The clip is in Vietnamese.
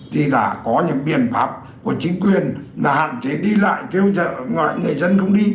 thì đã có những biện pháp của chính quyền là hạn chế đi lại kêu dẫn người dân không đi